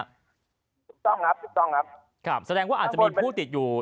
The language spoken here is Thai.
ถูกต้องครับถูกต้องครับแสดงว่าอาจจะมีผู้ติดอยู่